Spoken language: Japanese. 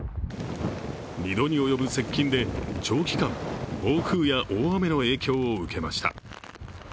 ２度に及ぶ接近で長期間、暴風や大雨の影響を受けました。